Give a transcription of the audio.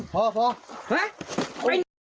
พ้ระพริ้ง